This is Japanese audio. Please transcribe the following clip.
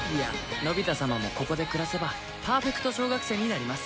のび太様もここで暮らせばパーフェクト小学生になります。